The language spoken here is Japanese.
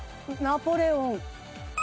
ナポレオン。